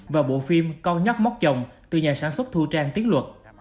và bộ phim con nhóc móc chồng từ nhà sản xuất thu trang tiến luật